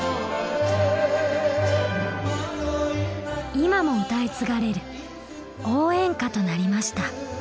今も歌い継がれる応援歌となりました。